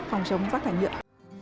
phòng chống rác thải nhựa